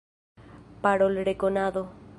Parolrekonado.